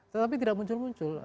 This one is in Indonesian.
tetapi tidak muncul muncul